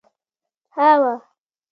هوه